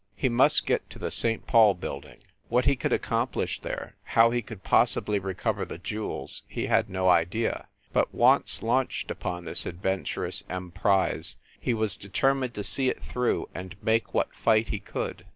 He must get to the St. Paul Building. What he could accomplish there, how he could possibly re cover the jewels, he had no idea. But, once launched upon this adventurous emprise, he was determined to see it through and make what fight he could.